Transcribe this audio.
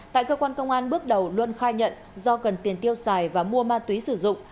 tại cơ quan công an bước đầu luân khai nhận do cần tiền tiêu xài và mua ma túy sử dụng